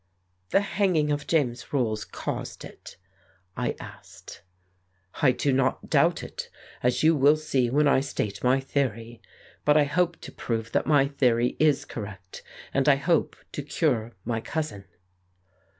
"The hanging of James Rolls caused it ?" I asked. "I do not doubt it, as you will see when I state my theory. But I hope to prove that my theory is correct, and I hope to cure my cousin."